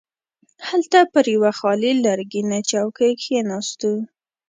هلته پر یوه خالي لرګینه چوکۍ کښیناستو.